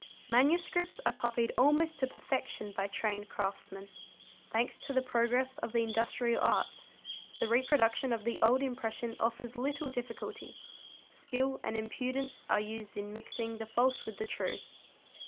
Manuscripts are copied almost to perfection by trained craftsmen ; thanks to the progress of the industrial arts, the reproduction of the old impression offers little difficulty : skill and impudence are used in mixing the false with the true.